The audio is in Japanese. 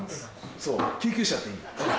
そう救急車って意味だ。